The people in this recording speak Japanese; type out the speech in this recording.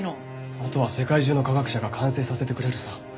あとは世界中の科学者が完成させてくれるさ。